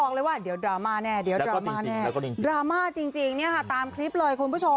บอกเลยว่าเดี๋ยวดราม่าแน่ดราม่าจริงตามคลิปเลยคุณผู้ชม